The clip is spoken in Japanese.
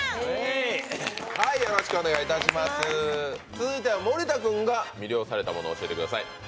続いては、森田君が魅了されたものを教えてください。